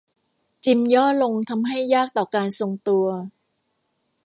จิมย่อลงทำให้ยากต่อการทรงตัว